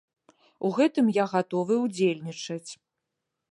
У гэтым я гатовы ўдзельнічаць.